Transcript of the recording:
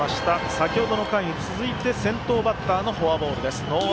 先ほどの回に続いて先頭バッターのフォアボール。